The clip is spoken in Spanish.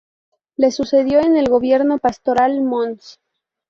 Le sucedió en el gobierno pastoral Mons.